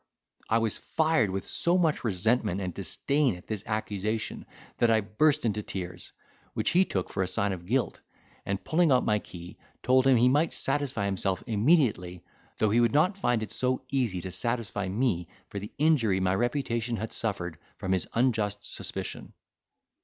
I was fired with so much resentment and disdain at this accusation, that I burst into tears, which he took for a sign of guilt; and pulling out my key, told him he might satisfy himself immediately, though he would not find it so easy to satisfy me for the injury my reputation had suffered from his unjust suspicion.